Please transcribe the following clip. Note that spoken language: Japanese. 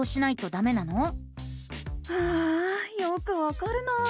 ああよくわかるな。